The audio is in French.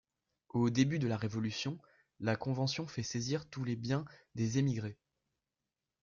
Au début de la Révolution, la Convention fait saisir tous les biens des émigrés.